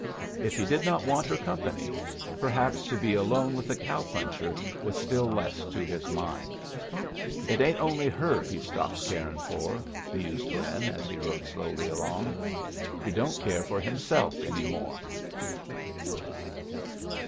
If he did not want her company, perhaps to be alone with the cow puncher was still less to his mind. "It ain't only her he's stopped caring for," mused Lin, as he rode slowly along. "He don't care for himself any more."